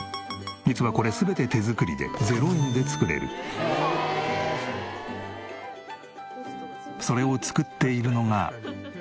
実はこれ全て手作りで０円で作れる。それを作っているのが。